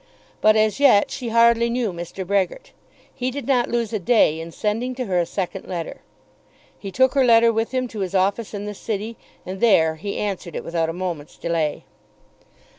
But as yet she hardly knew Mr. Brehgert. He did not lose a day in sending to her a second letter. He took her letter with him to his office in the city, and there answered it without a moment's delay.